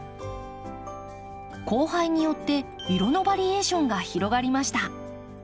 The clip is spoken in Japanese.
交配によって色のバリエーションが広がりました。